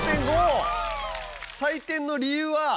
採点の理由は？